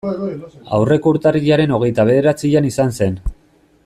Aurreko urtarrilaren hogeita bederatzian izan zen.